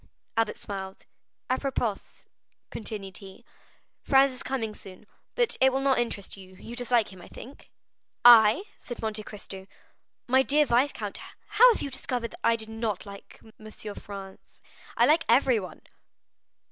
Albert smiled. "Apropos," continued he, "Franz is coming soon, but it will not interest you; you dislike him, I think?" "I?" said Monte Cristo; "my dear viscount, how have you discovered that I did not like M. Franz! I like everyone."